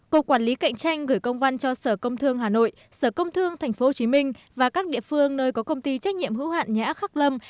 cục quản lý cạnh tranh gửi công văn cho sở công thương hà nội sở công thương tp hcm và các địa phương nơi có công ty trách nhiệm hữu hạn nhã khắc lâm